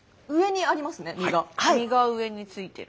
身が上についてる。